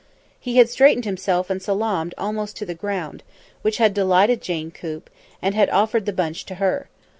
He had straightened himself and salaamed almost to the ground which had delighted Jane Coop and had offered the bunch to her.